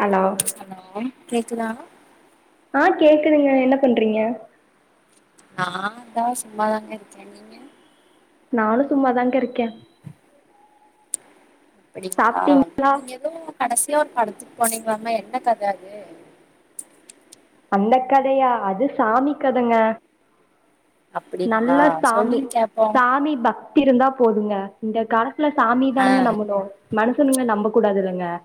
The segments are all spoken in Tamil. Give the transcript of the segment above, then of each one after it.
ஹலோ கேக்குதா ஆ கேக்குதுங்க என்ன பண்றீங்க நா தா சும்மாதாங்க இருக்கேன் நீங்க நானு சும்மாதாங்க இருக்கேன் அப்படிங்ளா நீங்க எதோ கடைசியா ஒரு படத்துக்கு போனீங்களாமே என்ன கத அது அந்தக் கதையா அது சாமி கதங்க அப்படிங்களா நல்ல சாமி சொல்லுங்க கேப்போ சாமி பக்தி தி இருந்தா போதுங்க இந்த காலத்துல சாமி ஆ தானுங்க நம்பணு மனசனுங்க நம்பக் கூடாதுல்லங்க ட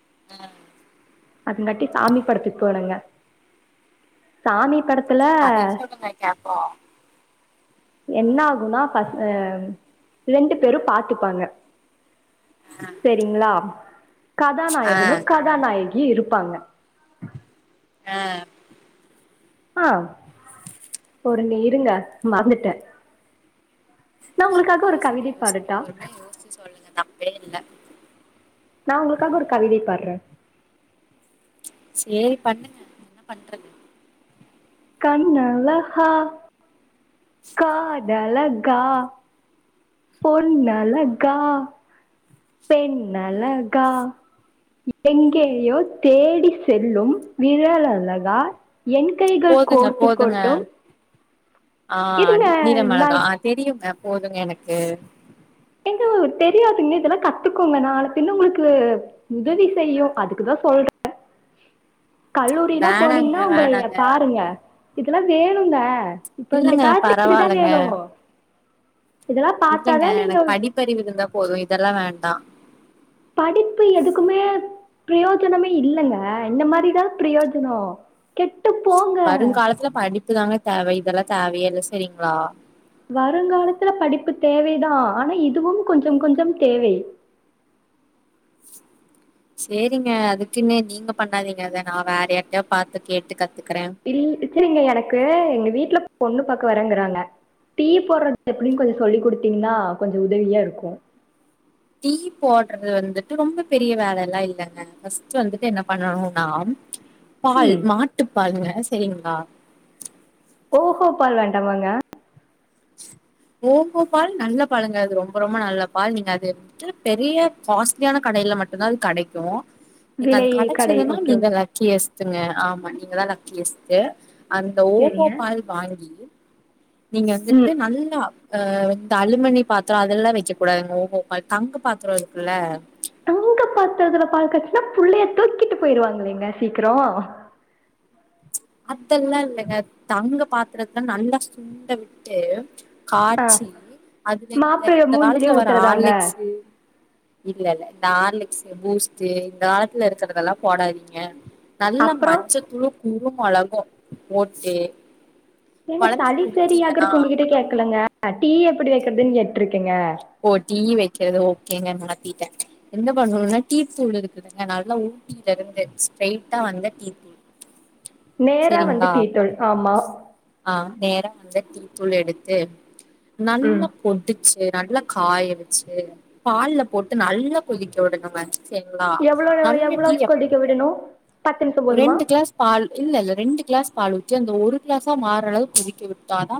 [inaudible] அதுங்காட்டி சாமி படத்துக் போனங்க சாமி படத்துல சரி கதைய சொல்லுங்க கேப்போ என்ன ஆகுன்னா பஸ் ரெண்டு பேரும் பாத்துப்பாங்க செரிங்ளா ஆ கதாநாயகனு கதாநாயகி இருப் ப்பாங்க அ ஆ பொரு நீ இருங்க மறந்துட்டே நா உங்களுக்காக ஒரு யோசிங்க கவிதை யோசிங்க பாடட்டா பொறுமையா யோச்சி சொல்லுங்க தப்பேயில்ல நா உங்களுக்காக ஒரு கவிதை பாட்ற சேரி பண்ணுங்க என்ன பண்றது கண்ணலஹா காதழகா பொண்ணலகா பெண்ணலகா எங்கேயோ தேடி செல்லும் விரலழகா என் கைகள் கோர்த்து கொண்டும் ஆஹ்ன் இருங்க நா நீளமிளகா ஆஹ் தெரியுங்க போதுங்க எனக்கு எங்க தெரியாதுங்க இதெல்லா கத்துக்கோங்க நாள பின்ன உங்களுக்கு உதவி செய்யு அதுக்குதா சொல்றேன் கல்லூரிலாம் வேணாங்க போனீங்ன்னா வேணாங்க உங்களையேப் பாருங்க இதெல்லா வேணுங்க இப்ப இந்த இல்லங்க காலத்துக் இதுதான் பரவால்லங்க வேணும் இல்லங்க எனக்கு படிப்பறிவு இருந்தா போது இதெல்லா வேண்டா படிப்பு எதுக்குமே பிரயோஜனமே இல்லங்க இந்த மாரிதான் பிரயோஜனம் கெட்டு போங்க புக்குதாங்க தேவை இதெல்லா தேவையே இல்ல சரிங்களா வருங்காலத்துல படிப்பு தேவைதான் ஆனா இதுவும் கொஞ்சம் கொஞ்சம் தேவை [inaudible] செரிங்க அதுக்குனு நீங்க பண்ணாதீங்க அதை நான் வேற யார்டையோ பாத்து கேட்டு கத் இல் பிரச்சனையிங்க எனக்கு எங்க வீட்ல பொண்ணு பாக்க வரங்குறாங்க டீ போடுறது எப்டினு கொஞ்சோ சொல்லி் குடுத்தீங்கனா கொஞ்சோ உதவியா இருக்கு டீ போடுறது வந்துட்டு ரொம்ப பெரிய வேலைலா இல்லங்க ஃபஸ்ட் வந்துட்டு என்ன பண்ணனுனா பால் ம் மாட்டு பால்ங்க சரிங்ளா ஓஹோ பால் வேண்டாமங்க [inaudible] ஓஹோ பால் நல்ல பாலுங்க அது ரொம்ப ரொம்ப நல்ல பால் நீங்க அது பெரிய காஸ்ட்லியான கடை இதுல மட்டுதான் அது கடைக்கு ஏங்க அது விலை கடை கடைச்சுதுன்னா ஓகே நீங்க ஓகே லக்கியஸ்டுங்க ஆமா நீங்கதான் லக்கியஸ்டு அந்த ஓஹோ சரிங்க பால் வாங்கி நீங்க இது ம் நல்லா அஹ் இந்த அலுமிணி பாத்திரோ அதெல்லா வைக்க கூடாது [unintelligible] தங்க பாத்திரோ இருக்குல தங்க பாத்தரதுல பால்காச்சுனா புள்ளைய தூக்கிட்டு போயிருவாங்கலைங்க சீக்ரோ [inaudible] அதெல்லா இல்லைங்க தங்க பாத்திரத்த நல்ல சுண்ட விட்டு ஆ காட்சி அது மாப்பிள இந்த மூஞ்சிலே காலத்துல வர ஊத்துறதாங்க ஆர்லிக்ஸு இல்ல இல்ல இந்த ஆர்லிக்ஸு பூஸ்ட் இந்த காலத்துல இருக்கிறதெல்லா போடாதீங்க நல்ல அப்புறம் மஞ்சத்தூளு குருமிளகு போட்டு ஏங்க கொழந்தைக் சளி குடுத்தீங்கன்னா சரியாகுறக்கு உங்ககிட்ட கேக்கலங்க டீ எப்டி வெக்கிறதுன்னு கேட்ருக்கேங்க ஓ டீ வைக்கிறது ஓகேங்க மாத் திட்ட என்ன பண்ணனுனா டீ தூள் இருக்குதுங்க நல்ல ஊட்டியில இருந்து ஸ்ட்ரைட்டா வந்த டீ தூள் நேரா வந்து சரிங்ளா டீ தூள் ஆமா ஆ நேர அந்த டீத்தூள் எடுத்து ம் நல்லா பொடுச்சு நல்லா காய வச்சு பால்ல போட்டு நல்லா கொதிக்க உடனுங்க செரிங்ளா எவ்வளோ நல்ல எவ்வளோ டீ அப் கொதிக்க விடணும் பத்து நிமிஷம் ஒரு போதுமா ரெண்டு கிளாஸ் பால் இல்ல இல்ல ரெண்டு கிளாஸ் பால் ஊத்தி அந்த ஒரு கிளாஸா மாற அளவுக்கு கொதிக்க விட்டாதா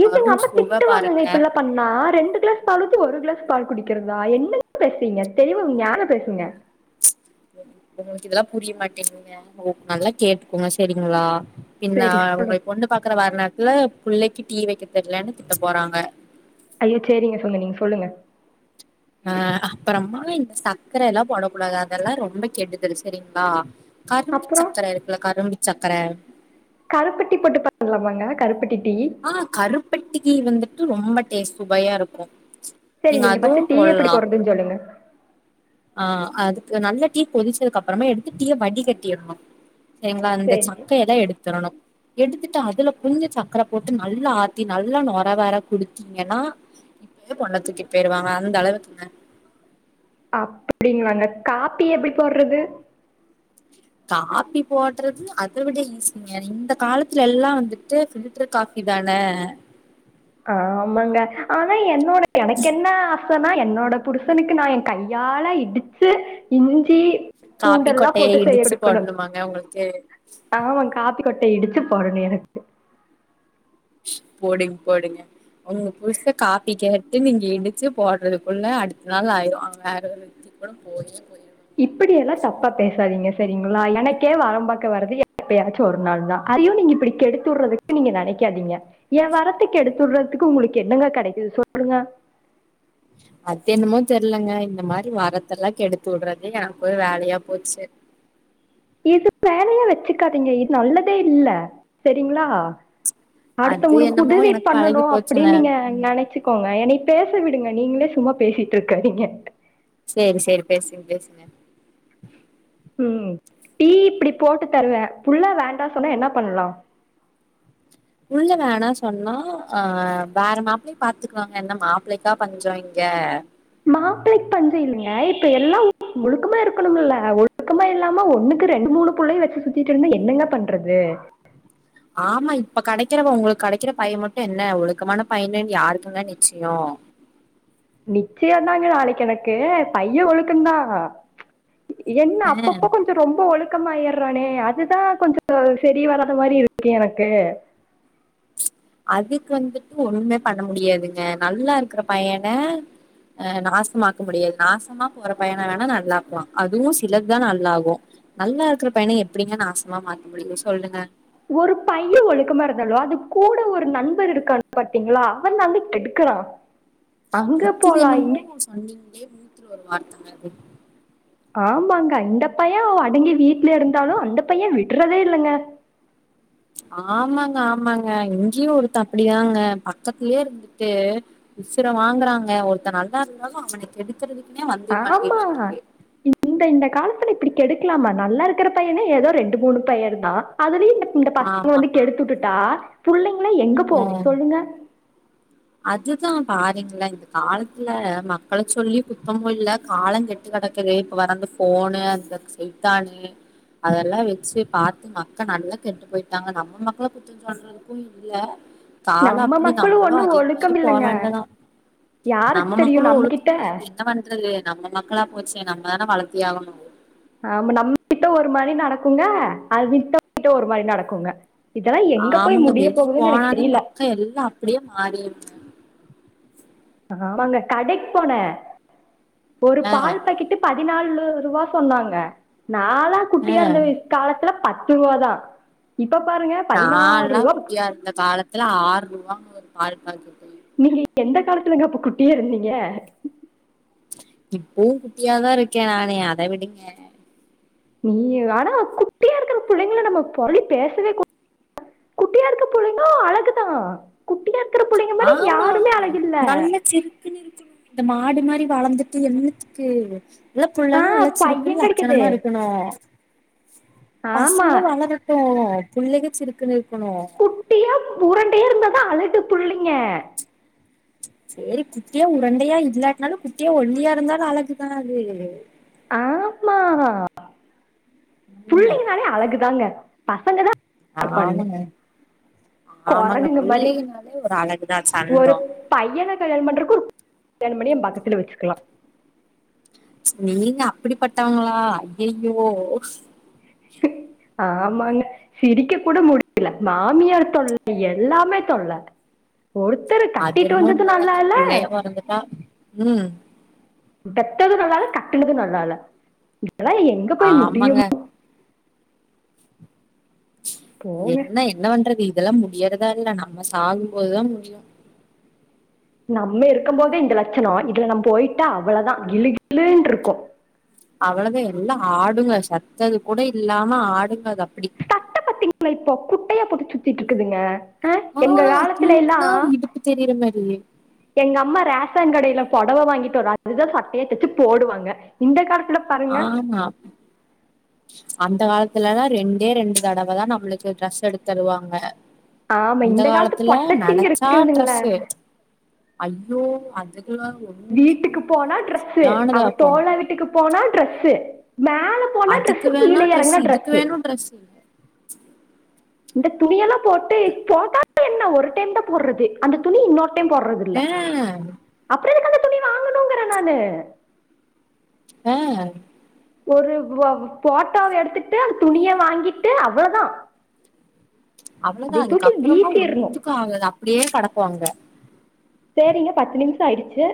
இதுங்க எங்க அம்மா திட்டு வாங்கங்க இப்டிலா பண்ணா ரெண்டு கிளாஸ் பால் ஊத்தி ஒரு கிளாஸ் பால் குடிக்கிறதா என்னெங்க பேசுறிங்க தெளிவா ஞான பேசுங்க உங்களுக்கு இதெல்லா புரிய மாட்டேங்கிங்க நல்லா கேட்டுக்கோங்க சரிங்ளா பின்ன சரி சொல்லுங்க உங்கள பொண்ணு பாக்குற வர நேரத்ல புள்ளைக்கு டீ வைக்க தெர்லேன்னு திட்ட போறாங்க ஐயோ செரிங்க கொஞ்சோ நீங்க சொல்லுங்க அஹ்ன் அப்பறம் [unintelligible] சக்கரைல்லா போடக்கூடாது அதெல்லா ரொம்ப கெடுதல் சரிங்ளா கரும்பு அப்புறம் சக்கர இருக்குல கரும்பு சக்கர கருப்பெட்டி போட்டு பண்லாமாங்க கருப்பட்டி டீ ஆ கருப்பட்டிக்கி வந்துட்டு ரொம்ப டேஸ்ட் சுவையா இருக்கு சரி நீங்க அதுவு ஃபர்ஸ்ட் டீ எப்படி போட்லா போடுறதுன்னு சொல்லுங்க ஆ அது நல்ல டீ கொதிச்சதுக்கு அப்புறமா எடுத்து டீய வடி கட்டிரனு செரிங்ளா அந்த சரி சக்கையலா எடுத்துடனு எடுத்துட்டு அதுல குஞ்ச சக் சக்கர போட்டு நல்லா ஆத்தி நல்லா நொர வர குடுத்தீங்கன்னா இப்பயே பொண்ணத் தூக்கிட்டு போயிருவாங்க அந்த அளவுக்குங்க அப்டிங்களாங்க காப்பி எப்டி போட்றது காப்பி போட்றது அதை விட ஈசிங்க இந்த காலத்துல எல்லா வந்துட்டு ஃபில்ட்ரு காஃபி இதானே ஆமாங்க ஆனா என்னோட எனக்கென்ன ஆசன்னா என்னோட புருசனுக்கு நா எ கையால இடிச்சு இஞ்சி காப்பி பூண்டெல்லா கொட்டைய போட்டு செய்ய இடிச்சு குடுக்கனு போடணுமாங்க உங்களுக்கு ஆமா காப்பி கொட்ட இடிச்சு பொறணி எனக்கு போடுங் போடுங்க உங்க புருச காப்பி கேட்டு நீங்க இடிச்சு போட்றதுக்குள்ள அடுத்த நாள் ஆயிரு வேற ஒரு அப்பட போயி இப்பிடியெல்லா தப்பா பேசாதீங்க செரிங்களா எனக்கே வரம் பாக்க வரது எப்பயாச்சு ஒரு நாள் தா அதையு நீங்க இப்டி கெடுத்துடுறதுக்கு நீங்க நெனைக் க்காதீங்க எ வரத்த கெடுத்துட்றதுக்கு உங்களுக்கு என்னங்க கெடைக்குது சொல்லுங்க அத்தென்னமோ தெர்லங்க இந்த மாரி வரத்தெல்லா கெடுத்துடுறது எனக்கு ஒரு வேலையா போச்சு இது வேலையா வச்சுக்காதீங்க இது நல்லதே இல்ல செரிங்ளா அது அடுத்துவங்களுக் என்னமோ உதவி எனக்கு பன்னணு பழகி போச்சுங்க அப்படின் நீங்க நெனச்சு க்கோங்க என்னை பேச விடுங்க நீங்களே சும்மா பேசிட்ருக்காதிங்க சேரி சேரி பேசுங்க பேசுங்க ம் டீ இப்டி போட்டு தருவே புள்ள வேண்டா சொன்னா என்ன பண்லா புள்ள வேணா சொன்னா ஆ வேற மாப்ளைய பாத்துக்குவாங்க என்ன மாப்ளைக்கா பஞ்சோ இங்க ங்க மாப்ளைக் பஞ்ச இல்லெங்க இப்ப எல்லா ஒழுக்கமா இருக்கனும்ல்ல ஒழுக்கமா இல்லாம ஒண்ணு க்கு ரெண்டு மூணு பிள்ளைய வச்சு சுத்திட்டு இருந்தா என்னங்க பண்றது [inaudible] ஆமா இப்ப கெடைக்கிறவ உங்களுக்கு கிடைக்கிற பைய மட்டு என்ன ஒழுக்கமான பையனு யாருக்குங்க நிச்சயோ [inaudible] நிச்சயந்தாங்க நாளைக்கு எனக்கு பைய ஒழுக்கந்தா என்ன ஆஹ் அப்பப்ப கொஞ்ச ரொம்ப ஒழுக்கமாயிற றானே அதுதா கொஞ்ச சரி வராத மாரி இருக்கு எனக்கு அதுக்கு வந்துட்டு ஒன்னுமே பண்ண முடியாதுங்க நல்லா இருக்குற பையன அ நாசமாக்க முடியாது நாசமா போற பையன வேணா நல்லாக்குலா அதுவு சிலதுதா நல்லாகு நல்லா இருக்கிற பையன எப்படிங்க நாசமா மாத்த முடியு சொல்லுங்க ஒரு பைய ஒழுக்கமா இருந்தாலு அது கூட ஒரு நண்பர் இருக்கான் பாத்தீங்களா அவன் தாங்க கெடுக்க குறா அது என்னமோ சொன்னீங்களே நூத்துல ஒரு வார்த்தைங்க அது ஆமாங்க இந்த பைய அடங்கி வீட்ல இருந்தாலு அந்த பைய விட்டுறதே இல்லைங்க [inaudible] ஆமாங்க ஆமாங்க இங்கயு ஒருத்தே அப்படிதாங்க பக்கத்துலயே இருந்துட்டு உசுர வாங்கறாங்க ஒருத்த நல்லா இருந்தாலு அவன கெடுக் ஆமா இந்த இந்த காலத்துல இப்டி கெடுக்கலாமா நல்லா இருக்கிற பையன ஏதோ ரெண்டு மூணு பெயர் தா அதுலியு இந்த பசங்க ஆமா வந்து கெடுத்துட்டுட்டா புள்ளைங்கள எங்க ஆ போகு சொல்லுங்க அதுதா பாருங்லே இந்த காலத்துல மக்கள சொல்லி குத்தமு இல்ல கால கெட்டு கடக்குது இப்ப வேற அந்து ஃபோனு அந்த செல் தானு அதெல்லா வெச்சி பாத்து மக்க நல்ல கெட்டு போய்ட்டாங்க நம்ம மக்கள குத்த சொல்றதுக்கு இல்ல கால நம்ம அப்டி மக்களும் நம்பளு ஒண்ணும் அதே மாரி ஒழுக்கம் போ இல்லைங்க வேண்டதா யாருக்கு நம்ம மக்களு தெரியும் நம்ம கிட்ட ஒழுக்கமில்ல இப்ப என்ன பண்றத் அது நம்ம மக்களா போச்சி நம்மதான வளத்தி ஆகனு ஆமா நம்மகிட்ட ஒரு மாரி நடக்குங்க அதுட்ட கிட்ட ஒரு மாரி நடக்குங்க இதெல்லா எங்க போய் ஆமாங்க முடிய வெளிய போகுதுனு எனக்கு போனாலே தெரியில மக்கள் எல்லா அப்டியே மாறிருங்க ஆமாங்க கடைக் போன ஒரு ஆ பால் பாக்கிட்டு பதினாலு ரூவா சொன்னாங்க நாலா குட்டியா ஆ இருந்த வே காலத்ல பத்து ரூவா தா நால்லா குட்டியா இருந்த காலத்தில ஆறு ரூவாங்க ஒரு பால் பாக்கெட்டு நீங்க எந்த காலத்துலங்க அப்ப குட்டியா இருந்தீங்க இப்பவு. குட்டியாதா இருக்கே நானு அத விடுங்க நீ ஆனா குட்டியா இருக்கிற புள்ளைங்கள நம்ம பொறளி பேசவே கூ குட்டியா இருக்க புள்ளைங்கோ அழகுதா குட்டியா இருக்கிற பிள்ளைங்க மாதிரி ஆமா யாருமே அழகில்ல நல்ல சிருக்குனு இருக்குனு இந்த மாடு மாரி வளந்துட்டு என்னத்துக்கு இல்ல புள்ள ஆஹ் நல்ல சிருக்குனு பையன் கிடைக்குது லட்சணமா இருக்கனு பசங்க ஆமா வளரட்டு புள்ளைங்க சிருக்குனு குட்டியா உருண்டையா இருந்தாதா அழகு புள்ளைங்க செரி குட்டியா உரண்டையா இல்லாட்னாலு குட்டியா ஒல்லியா இருந்தாலு அழகுதா அது ஆமா புள்ளைங்கனாலே அழகுதாங்க பசங்க தா ஆமாங்க ஆமாங்க கொரங்குங்க மாரி புள்ளைங்கனாலே ஒரு அழகுதா ஒரு சந்தோ பையன கல்யாண பண்றக்கு வேனுமனியு எ பக்கத்துல வெச்சுக்லா நீங்க அப்டி பட்டவங்ளா ஐயயோ ஆமாங்க சிரிக்க கூட முடியில மாமியார் தொல்ல எல்லாமே தொல்ல அதென்னமோ உண்ம நல்லா தாங்க இல்ல புள்ளையா பொறந்துட்டா ம் பெத்தது நல்லால்ல கட்டினது நல்லால்ல இதெல்லா எங்க போய் ஆமாங்க முடியுமோ போங்க என்ன என்ன பண்றது இதெல்லா முடியறதா இல்ல நம்ம சாகுபோது தா முடியு நம்ம இருக்க போதே இந்த லட்சணோ இதுல நம் போயிட்டா அவ்ளதா கிழு கிழுன்ட்டுருக்கு அவ்ளதா எல்லா ஆடுங்க செத்தது கூட இல்லாம ஆடுங்க அது அப்டி திங்ளா இப்போ குட்டையா போட்டுட் சுத்திட்ருக்குதுங் க அ எங்க ஆ காலத்துல எல்லா தூக்குனா இடுப்பு தெரியிற மாரி எங்க அம்மா ரேஷன் கடையில பொடவ வாங்கிட்டு வரு அது தா சட்டையா தச்சி போடுவங்க இந்த காலத் ஆமா அந்த காலத்துல எல்லா ரெண்டே ரெண்டு தடவ தா நம்மளுக்கு ட்ரெஸ் எடுத் தருவாங்க ஆமா இந்த காலத்து காலத்துல பொட்டச்சிங்க நெனச்சா இருக்குதுங்களே ட்ரெஸு ஐயோ அதுக் குலா ஒன்னுமே பண்ண வீட்டுக்கு போனா முடியாதுங்க ட்ரெஸ் அவ செரியானதாக்கு தோழ வீட்டுக்கு போனா ட்ரெஸ் மேல போனா அதுக்கு ட்ரெஸ் வேனா கீழே ட்ரெஸு இறங்கினா இதுக்கு ட்ரெஸ் வேனு ட்ரெஸு இந்த துணியெல்லா போட்டு போட்டாத்தா என்ன ஒரு டைம் தா போறது அந்த துணி இன்னொரு டைம் போறது இல்ல ஆ அப்ற எதுக்கு அந்த துணி வாங்கனுங்கற நானு அ ஒரு வ போட்டாவ எடுத்துட்டு அந்த துணிய வாங்கிட்டு அவ்ளோ தா அவ்ளோதா அதுக்கப்றோமா ஒன்னுத்துக்கு ஆகாது அப்டியே கடக்கு அங்க சேரிங்க பத்து நிம்ஷோ ஆய்டுச்சு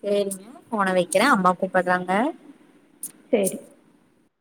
சேரிங்க போன வெக்கறே அம்மா கூப்பட்றாங்க சேரி